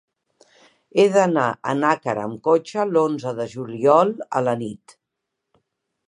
He d'anar a Nàquera amb cotxe l'onze de juliol a la nit.